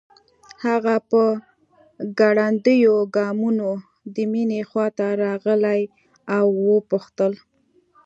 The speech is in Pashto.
هغه په ګړنديو ګامونو د مينې خواته راغی او وپوښتل